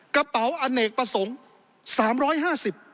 กระเป๋าอเนกประสงค์๓๕๐บาท